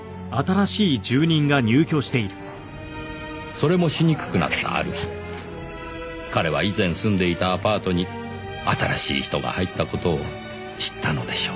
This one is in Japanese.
それもしにくくなったある日彼は以前住んでいたアパートに新しい人が入った事を知ったのでしょう。